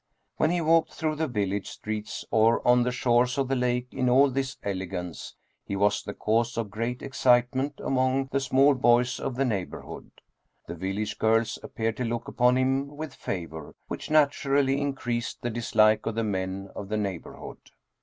When he walked through the village streets or on the shores of the lake in all this elegance, he was the cause of great excitement among the small boys of the neighbor hood. The village girls appeared to look upon him with favor, which naturally increased the dislike of the men of the neighborhood.